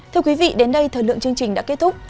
thưa quý vị đến đây thời lượng chương trình đã kết thúc